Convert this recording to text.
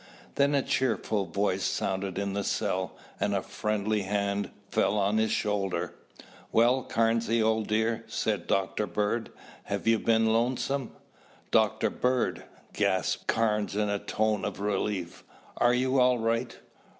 Then a cheerful voice sounded in the cell and a friendly hand fell on his shoulder. "Well, Carnesy, old dear," said Dr. Bird, "have you been lonesome?" "Dr. Bird!" gasped Carnes in tones of relief. "Are you all right?"